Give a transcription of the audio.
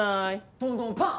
ドンドンパン。